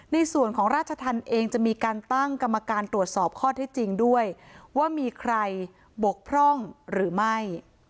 ในส่วนของราชธรรมเองจะมีการตั้งกรรมการตรวจสอบข้อเท็จจริงด้วยว่ามีใครบกพร่องหรือไม่